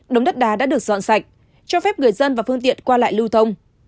đống đất đá đã được dọn sạch cho phép người dân và phương tiện qua lại lưu thông